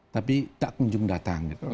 tapi tak kunjung datang